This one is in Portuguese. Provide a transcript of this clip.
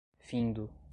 findo